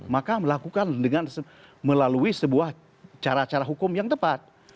maka melakukan dengan melalui sebuah cara cara hukum yang tepat